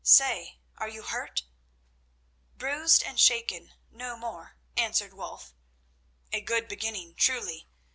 "Say, are you hurt?" "Bruised and shaken—no more," answered Wulf. "A good beginning, truly.